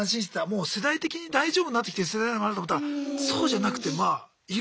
もう世代的に大丈夫になってきてる世代なのかなと思ったらそうじゃなくてはい。